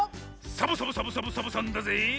サボサボサボサボサボさんだぜ。